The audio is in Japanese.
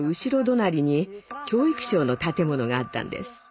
隣に教育省の建物があったんです。